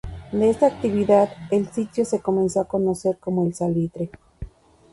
De esta actividad, el sitio se comenzó a conocer como El Salitre.